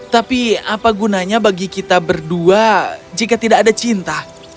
tapi apa gunanya bagi kita berdua jika tidak ada cinta